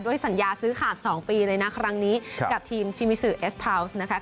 ด้วยสัญญาซื้อขาด๒ปีเลยนะครั้งนี้กับทีมชิมิซึเอสพราวซนะครับ